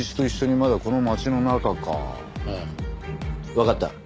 わかった。